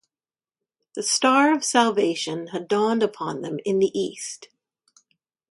The Star of Salvation had dawned upon them in the East.